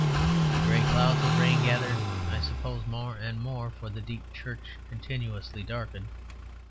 The gray clouds of rain outside gathered, I suppose, more and more; for the deep church continuously darkened.